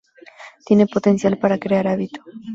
Tiene potencial para crear hábito.